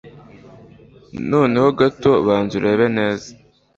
Noneho gato banza urebe neza